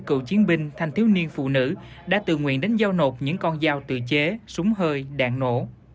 cựu chiến binh thanh thiếu niên phụ nữ đã tự nguyện đến giao nộp những con dao tự chế súng hơi đạn nổ